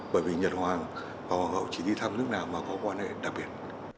bởi vì nhật hoàng và hoàng hậu chỉ đi thăm nước nào mà có quan hệ đặc biệt